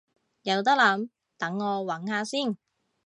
有得諗，等我搵下先